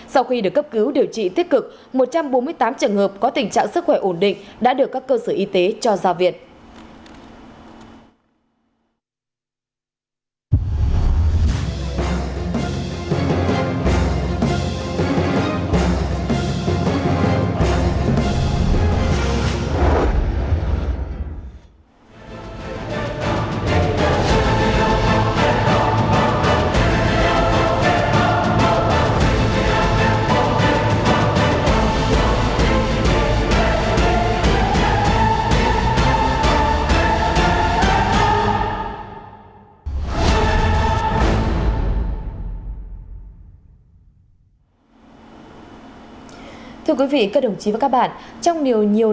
sau khi được cấp cứu điều trị kịp thời tại các cơ sở y tế cho ra viện